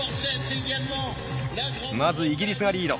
まずイギリスがリード。